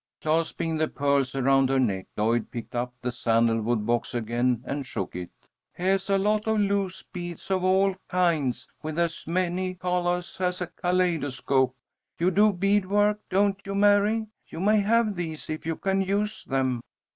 Clasping the pearls around her neck, Lloyd picked up the sandalwood box again and shook it. "Heah's a lot of loose beads of all kinds, with as many colahs as a kaleidoscope. You do bead work, don't you, Mary? You may have these if you can use them."